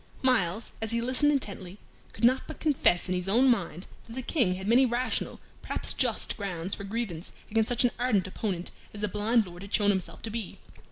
Myles, as he listened intently, could not but confess in his own mind that the King had many rational, perhaps just, grounds for grievance against such an ardent opponent as the blind Lord had shown himself to be.